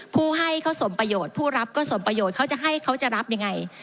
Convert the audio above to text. ผู้ให้เขาสมประโยชน์ผู้รับก็สมประโยชน์เขาจะให้เขาจะรับยังไง